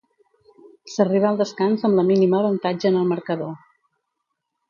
S'arribà al descans amb la mínima avantatge en el marcador.